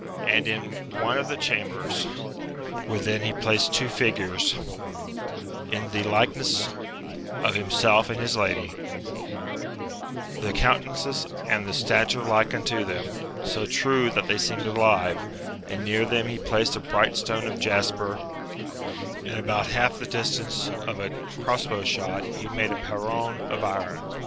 And in one of the chambers within he placed two figures, in the likeness of himself and his lady, the countenances and the stature like unto them, so true that they seemed alive, and near them he placed a bright stone of jasper ; and about the distance of half a cross bow shot, he made a perron* of iron.